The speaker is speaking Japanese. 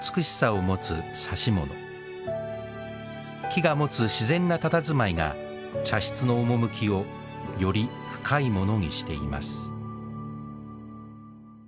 木が持つ自然なたたずまいが茶室の趣をより深いものにしています